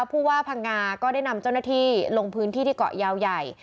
ผู้ว่าพังงาก็ได้นำเจ้าหน้าที่ลงพื้นที่ที่เกาะยาวใหญ่